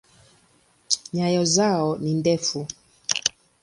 Nyayo zao ni ndefu.